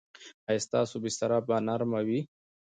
ایا ستاسو بستره به نرمه وي؟